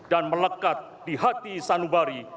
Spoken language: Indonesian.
dan melekat di hati sanubari